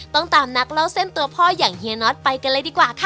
ต้องตามนักเล่าเส้นตัวพ่ออย่างเฮียน็อตไปกันเลยดีกว่าค่ะ